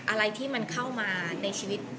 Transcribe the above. อะไรที่มันเข้ามาในชีวิต